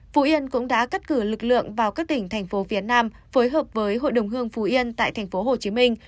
phú yên cũng đã cắt cử lực lượng vào các tỉnh thành phố việt nam phối hợp với hội đồng hương phú yên tại thành phố hồ chí minh